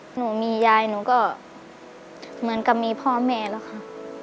หนูมียายหนูก็เหมือนกับมีพ่อแม่แล้วค่ะ